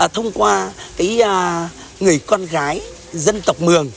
thông qua người con gái dân tộc mường